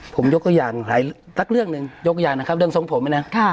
ผมยกตัวอย่างหนึ่งยกตัวอย่างหนึ่งครับเรื่องทรงผมไหมนะ